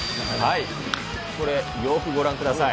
これ、よくご覧ください。